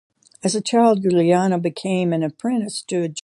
As a child, Giuliano became an apprentice to a joiner.